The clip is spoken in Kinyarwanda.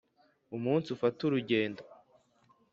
umunsi ufata urugendo